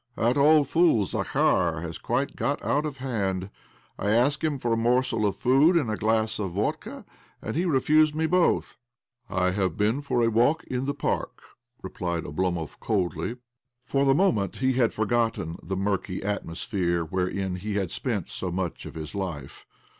That old fool Zakhar has quite got out of hand. I asked hkn for a morsel of food and a glass of vodka, and he refused me both 1 "" I have been for a walk in the park," replied Oblomov coldly. For the momjent he had forgotten the murky atmosphere wherein he had spient so much of his life.